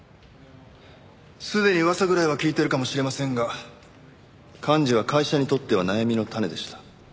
すでに噂ぐらいは聞いているかもしれませんが寛二は会社にとっては悩みの種でした。